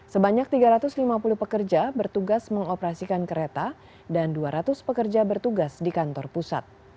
sebanyak tiga ratus lima puluh pekerja bertugas mengoperasikan kereta dan dua ratus pekerja bertugas di kantor pusat